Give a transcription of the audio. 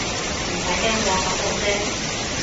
唔使驚喎，感冒啫